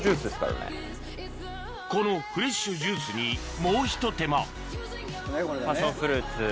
このフレッシュジュースにもうひと手間パッションフルーツ。